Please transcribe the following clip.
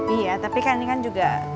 iya tapi kan ini kan juga